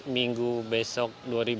minggu besok dua lima ratus